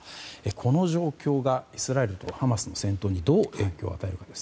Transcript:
この状況がイスラエルとハマスの戦闘にどう影響を与えるのか。